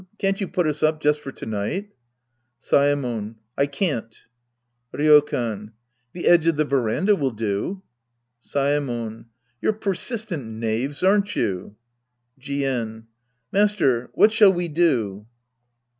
Can't you put us up just for to night ? Saemon. I can't. Ryokan. The edge of the veranda will do. Saemon. You're persistent knaves, aren't you ? Jien. Master, what shall we do